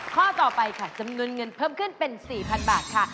ข้อต่อไปค่ะจำนวนเงินเพิ่มขึ้นเป็น๔๐๐๐บาทค่ะ